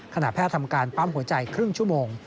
แพทย์ทำการปั๊มหัวใจครึ่งชั่วโมง